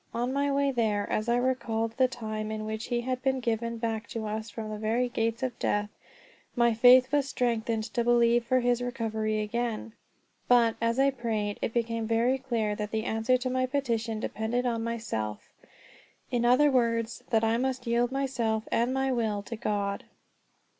On my way there, as I recalled the times in which he had been given back to us from the very gates of death, my faith was strengthened to believe for his recovery again. But, as I prayed, it became very clear that the answer to my petition depended on myself; in other words, that I must yield myself and my will to God.